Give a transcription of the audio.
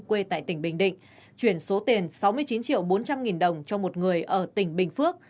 vũ phương đã truyền tiền cho một người ở tỉnh bình phước